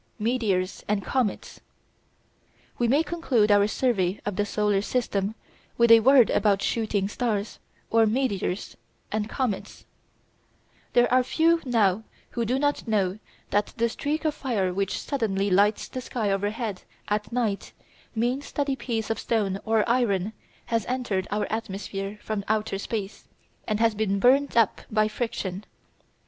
METEORS AND COMETS We may conclude our survey of the solar system with a word about "shooting stars," or meteors, and comets. There are few now who do not know that the streak of fire which suddenly lights the sky overhead at night means that a piece of stone or iron has entered our atmosphere from outer space, and has been burned up by friction.